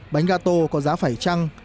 bánh gà tô có giá phải trăng